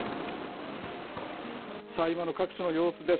今の各地の様子です。